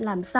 làm gì đó